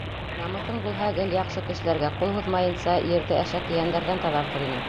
— Намыҫың булһа, гел яҡшы кешеләргә ҡул һуҙмайынса, ерҙе әшәке йәндәрҙән таҙартыр инең.